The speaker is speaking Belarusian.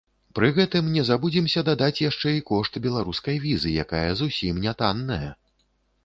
Пры гэтым, не забудземся дадаць яшчэ і кошт беларускай візы, якая зусім не танная!